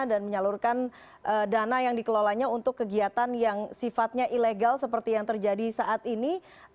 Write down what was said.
dan menyalurkan dana yang dikelolanya untuk kegiatan yang sifatnya ilegal seperti yang terjadi saat ini